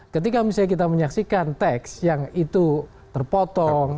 ketika misalnya kita menyaksikan teks yang itu terpotong